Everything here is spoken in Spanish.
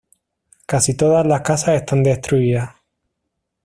Casi todas las casas están destruidas.